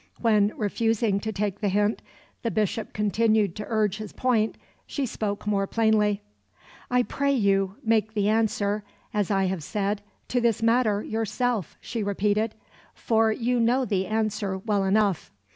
When, refusing to take the hint, the Bishop continued to urge his point, she spoke more plainly. "I pray you, make the answer (as I have said) to this matter yourself," she repeated, "for you know the answer well enough.